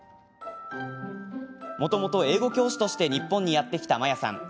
もともと英語教師として日本にやって来たマヤさん。